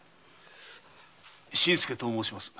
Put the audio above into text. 新助と申します。